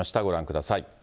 ご覧ください。